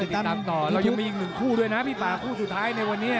ติดตามต่อเรายังมีอีกหนึ่งคู่ด้วยนะพี่ป่าคู่สุดท้ายในวันนี้